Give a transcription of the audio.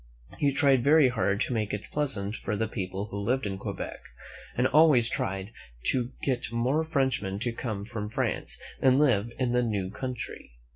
He tried very hard to make it pleasant for the people who lived ' in Quebec, and always tried to get more French men to come from France and live in the new country.